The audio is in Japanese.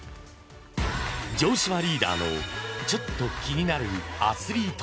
城島リーダーのちょっと気になるアスリート。